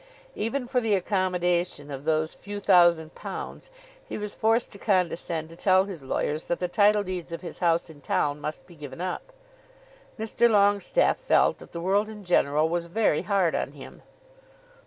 Even for the accommodation of those few thousand pounds he was forced to condescend to tell his lawyers that the title deeds of his house in town must be given up. Mr. Longestaffe felt that the world in general was very hard on him.